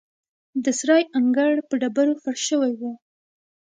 د سرای انګړ په ډبرو فرش شوی و.